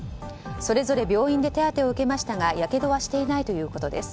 それぞれ病院で手当てを受けましたがやけどはしていないということです。